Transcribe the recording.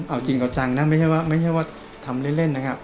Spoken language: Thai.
เอาจริงกว่าจังนะไม่ใช่ว่าไม่ใช่ว่าทำเล่นนะครับ